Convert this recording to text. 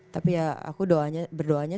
tapi ya aku berdoanya